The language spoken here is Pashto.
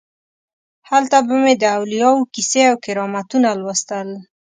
هلته به مې د اولیاو کیسې او کرامتونه لوستل.